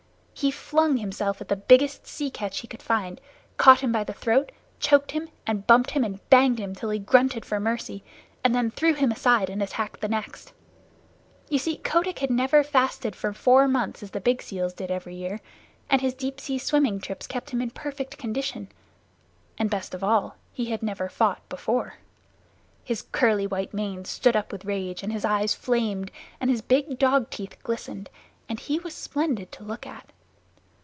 He flung himself at the biggest sea catch he could find, caught him by the throat, choked him and bumped him and banged him till he grunted for mercy, and then threw him aside and attacked the next. You see, Kotick had never fasted for four months as the big seals did every year, and his deep sea swimming trips kept him in perfect condition, and, best of all, he had never fought before. His curly white mane stood up with rage, and his eyes flamed, and his big dog teeth glistened, and he was splendid to look at.